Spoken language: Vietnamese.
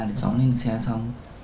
thì cháu lên xe xong